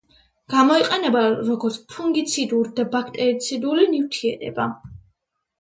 გამოიყენება როგორც ფუნგიციდური და ბაქტერიციდული ნივთიერება.